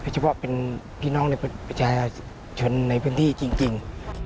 เฉพาะเป็นพี่น้องในประชาชนในพื้นที่จริง